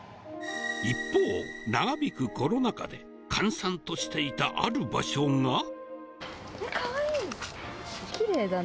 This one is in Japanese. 一方、長引くコロナ禍で閑散としていたある場所が。え、かわいい！